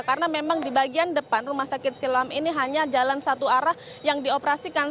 karena memang di bagian depan rumah sakit siloam ini hanya jalan satu arah yang dioperasikan